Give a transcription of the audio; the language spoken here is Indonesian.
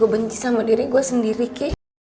benci sama diri gue sendiri ki